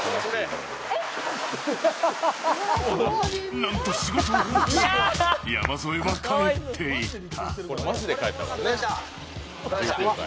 なんと仕事を放棄し、山添は帰っていった。